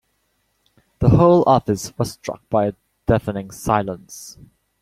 The whole office was struck by a deafening silence.